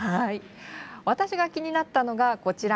私が気になったのがこちら。